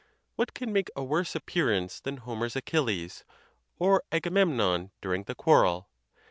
What can make a worse appearance than Homer's Achilles, or Agamemnon, during the quarrel?